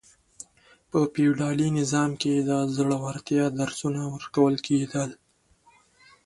په فيوډالي نظام کي د زړورتيا درسونه ورکول کېدل.